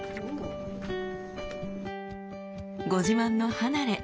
ご自慢の離れ